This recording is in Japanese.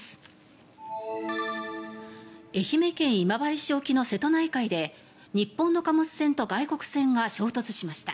愛媛県今治市沖の瀬戸内海で日本の貨物船と外国船が衝突しました。